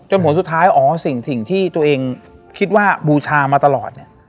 ผลสุดท้ายอ๋อสิ่งที่ตัวเองคิดว่าบูชามาตลอดเนี่ย